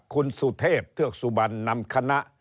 คุณสุเทพเทือกสุบันนำคณะ